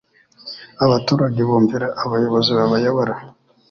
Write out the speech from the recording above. abaturage bumvira abayobozi babayobora